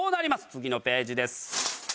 次のページです。